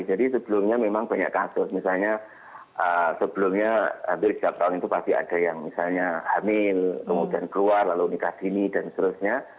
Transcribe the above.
jadi sebelumnya memang banyak kasus misalnya sebelumnya hampir setiap tahun itu pasti ada yang misalnya hamil kemudian keluar lalu nikah dini dan seterusnya